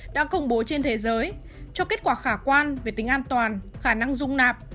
đã công bố trên thế giới cho kết quả khả quan về tính an toàn khả năng dung nạp